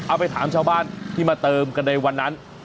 เอาไปถามชาวบ้านที่มาเติมกันในวันนั้น